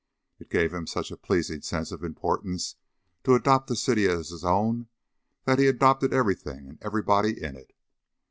It gave him such a pleasing sense of importance to adopt the city as his own that he adopted everything and everybody in it.